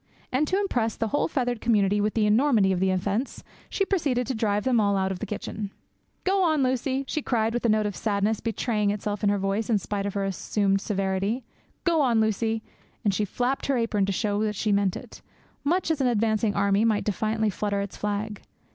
And to impress the whole feathered community with the enormity of the offence, she proceeded to drive them all out of the kitchen. 'Go on, Lucie,' she cried, a note of sadness betraying itself in her voice in spite of her assumed severity. 'Go on, Lucie,' and she flapped her apron to show that she meant it, much as an advancing army might defiantly flutter its flag.